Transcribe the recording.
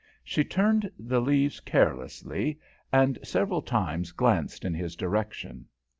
She turned the leaves carelessly, and several times glanced in his direction.